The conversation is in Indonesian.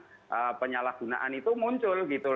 berita berita terkait dengan penyalahgunaan itu muncul gitu